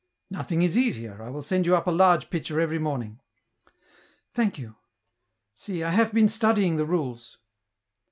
" Nothing is easier ; I will send you up a large pitcher every morning." " Thank you ... see, I have been studying the rules."